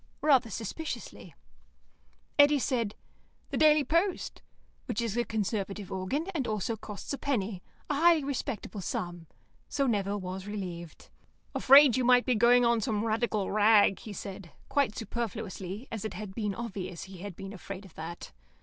rather suspiciously. Eddy said, "The Daily Post," which is a Conservative organ, and also costs a penny, a highly respectable sum, so Nevill was relieved. "Afraid you might be going on some Radical rag," he said, quite superfluously, as it had been obvious he had been afraid of that.